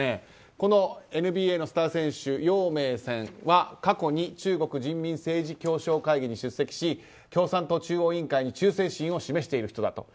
このＮＢＡのスター選手ヨウ・メイさんは過去に中国人民政治協商会議に出席し、共産党中央委員会に忠誠心を示している人だと。